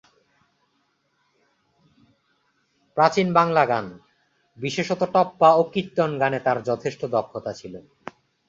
প্রাচীন বাংলা গান, বিশেষত টপ্পা ও কীর্তন গানে তার যথেষ্ট দক্ষতা ছিল।